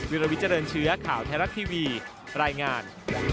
วิลวิเจริญเชื้อข่าวไทยรัฐทีวีรายงาน